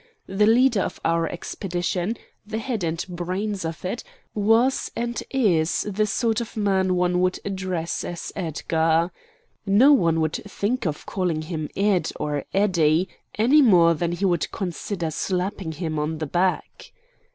The leader of our expedition, the head and brains of it, was and is the sort of man one would address as Edgar. No one would think of calling him "Ed," or "Eddie," any more than he would consider slapping him on the back.